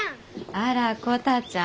あらコタちゃん。